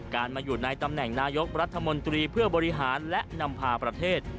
มาอยู่ในตำแหน่งนายกรัฐมนตรีเพื่อบริหารและนำพาประเทศ